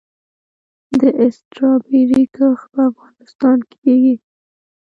د سټرابیري کښت په افغانستان کې کیږي؟